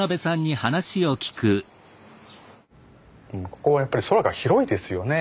ここはやっぱり空が広いですよね。